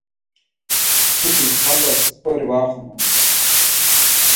Mtutis p̌anda sipori var axenen.